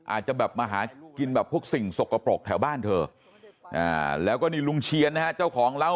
อาจจะแบบมาหากินแบบพวกสิ่งสกปรกแถวบ้านเธอแล้วก็นี่ลุงเชียนนะฮะเจ้าของเล่า